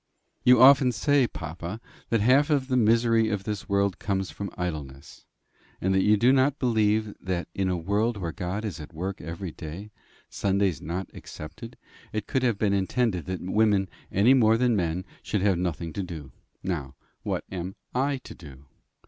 "You often say, papa, that half the misery in this world comes from idleness, and that you do not believe that in a world where God is at work every day, Sundays not excepted, it could have been intended that women any more than men should have nothing to do. Now what am I to do?